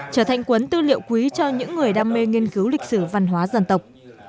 trở thành cuốn tư liệu quý cho những người đam mê nghiên cứu lịch sử văn hóa dân tộc